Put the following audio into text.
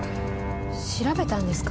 調べたんですか？